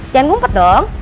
jangan ngumpet dong